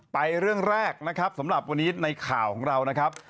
เรื่องแรกนะครับสำหรับวันนี้ในข่าวของเรานะครับ